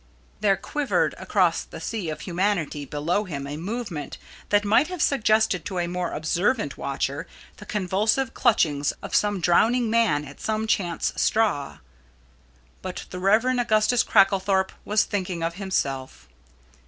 There quivered across the sea of humanity below him a movement that might have suggested to a more observant watcher the convulsive clutchings of some drowning man at some chance straw. But the Rev. Augustus Cracklethorpe was thinking of himself.